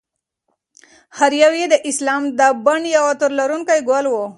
هر یو یې د اسلام د بڼ یو عطر لرونکی ګل و.